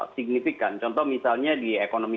signifikan contoh misalnya di ekonomi